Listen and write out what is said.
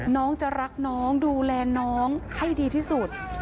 น้องจะรักน้องดูแลน้องให้ดีที่สุด